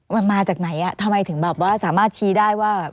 มันมาจากไหนทำไมถึงแบบว่าสามารถชี้ได้ว่า